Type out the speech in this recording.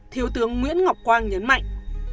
thiếu tướng nguyễn ngọc quang nhấn mạnh